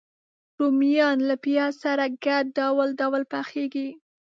رومیان له پیاز سره ګډ ډول ډول پخېږي